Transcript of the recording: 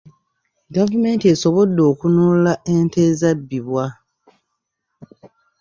Gavumenti yasobodde okununula ente ezabbibwa.